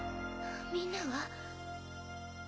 みんなは？